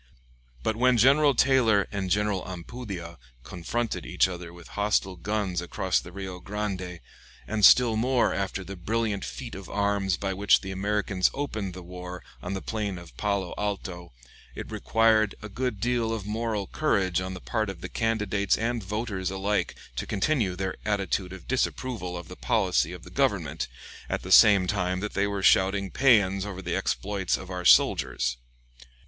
But when General Taylor and General Ampudia confronted each other with hostile guns across the Rio Grande, and still more after the brilliant feat of arms by which the Americans opened the war on the plain of Palo Alto, it required a good deal of moral courage on the part of the candidates and voters alike to continue their attitude of disapproval of the policy of the Government, at the same time that they were shouting paeans over the exploits of our soldiers.